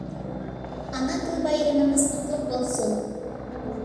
ئانا تىل بايرىمىمىز قۇتلۇق بولسۇن!